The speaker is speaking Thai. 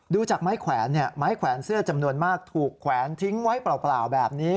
ดูจากไม้แขวนไม้แขวนเสื้อจำนวนมากถูกแขวนทิ้งไว้เปล่าแบบนี้